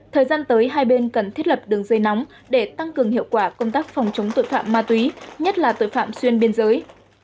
thời gian tới hai bên cần thiết lập đường dây nóng để tăng cường hiệu quả công tác phòng chống tội phạm ma túy nhất là tội phạm xuyên biên giới